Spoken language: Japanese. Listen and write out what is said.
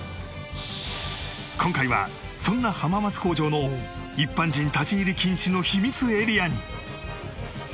今回はそんな浜松工場の一般人立ち入り禁止の秘密エリアに